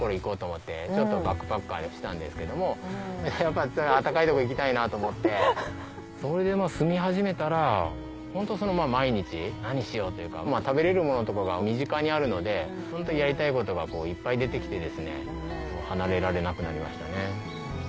トビウオを余すところなく味わえる生茶漬けそれで住み始めたら毎日何しようというか食べれるものとかが身近にあるのでホントやりたいことがいっぱい出てきてですね離れられなくなりましたね。